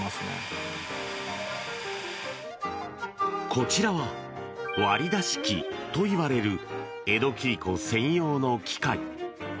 こちらは割り出し機といわれる江戸切子専用の機械。